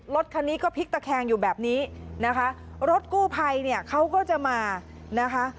รถคันนี้ก็พลิกตะแคงอยู่แบบนี้นะคะรถกู้ภัยเนี่ยเขาก็จะมานะคะ